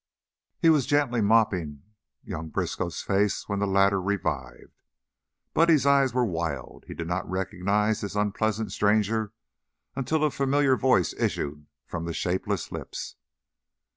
He was gently mopping young Briskow's face when the latter revived. Buddy's eyes were wild, he did not recognize this unpleasant stranger until a familiar voice issued from the shapeless lips.